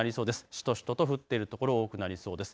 しとしとと降ってる所多くなりそうです。